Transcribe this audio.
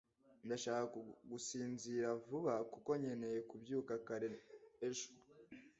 Ndashaka gusinzira vuba kuko nkeneye kubyuka kare ejo.